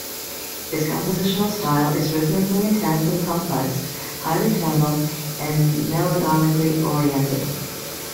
His compositional style is rhythmically intense and complex, highly tonal and melodically-oriented.